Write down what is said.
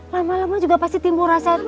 lama lama juga pasti timbul rasa itu